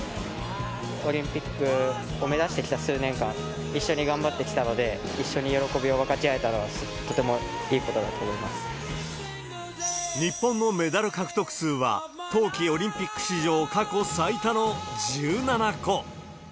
オリンピックを目指してきた数年間、一緒に頑張ってきたので、一緒に喜びを分かち合えたのは、日本のメダル獲得数は、冬季オリンピック史上過去最多の１７個。